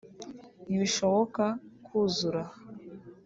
Ntibishoboka kuzura aha